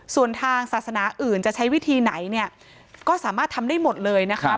ส่วนทางศาสนาอื่นจะใช้วิธีไหนเนี่ยก็สามารถทำได้หมดเลยนะครับ